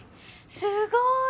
すごーい！